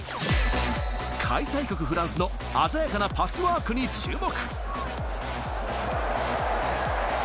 開催国・フランスの鮮やかなパスワークに注目。